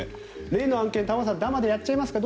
例の案件、玉川さんダマでやっちゃいますか？